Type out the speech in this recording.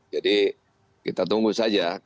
jadi kita tunggu saja